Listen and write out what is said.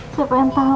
siapa yang tahu